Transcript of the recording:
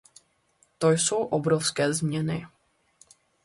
To jsou obrovské změny.